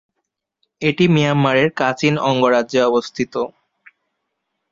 এটি মিয়ানমারের কাচিন অঙ্গরাজ্যে অবস্থিত।